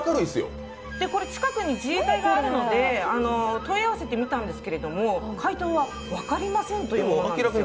近くに自衛隊があるので問い合わせてみたんですけれども、回答は分かりませんというものなんですよ。